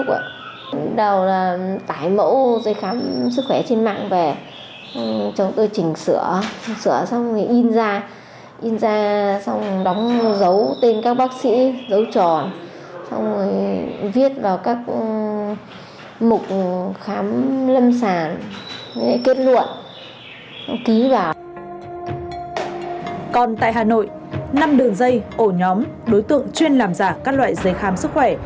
còn tại hà nội năm đường dây ổ nhóm đối tượng chuyên làm giả các loại giấy khám sức khỏe